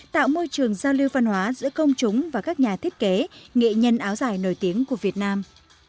tạo môi trường giao lưu văn hóa giữa công chúng và các nhà thiết kế nghệ nhân áo dài nổi tiếng của việt nam